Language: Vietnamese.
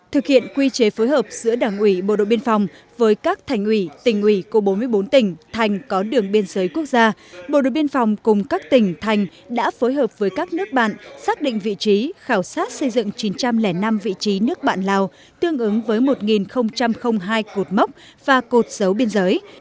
thực hiện quy chế phối hợp giữa đảng ủy bộ đội biên phòng với các thành ủy tỉnh ủy của bốn mươi bốn tỉnh thành có đường biên giới quốc gia bộ đội biên phòng cùng các tỉnh thành đã phối hợp với các nước bạn xác định vị trí khảo sát xây dựng chín trăm linh năm vị trí nước bạn lào tương ứng với một hai cột mốc và cột dấu biên giới